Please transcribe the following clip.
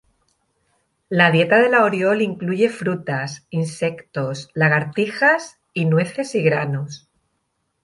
La dieta de la oriol incluye frutas, insectos, lagartijas, y nueces y granos.